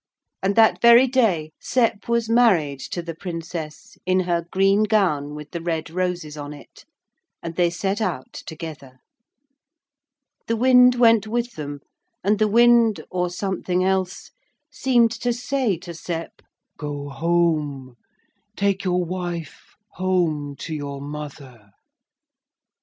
And that very day Sep was married to the Princess in her green gown with the red roses on it, and they set out together. The wind went with them, and the wind, or something else, seemed to say to Sep, 'Go home, take your wife home to your mother.'